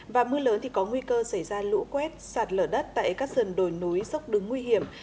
và mưa lớn thì có nguy cơ xảy ra lũ quét sạt lở đất tại các sườn đồi núi dốc đứng nguy hiểm